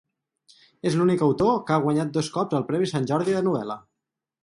És l'únic autor que ha guanyat dos cops el Premi Sant Jordi de novel·la.